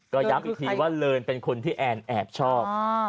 ก็ย้ำอีกทีว่าเลินเป็นคนที่แอนแอบชอบ